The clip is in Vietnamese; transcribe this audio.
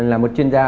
là một chuyên gia